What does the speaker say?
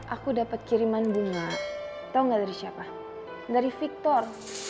aku dapat kiriman bunga tau gak dari siapa dari victor